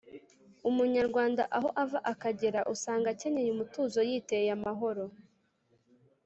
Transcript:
umunyarwanda aho ava akagera usanga akenyeye umutuzo yiteye amahoro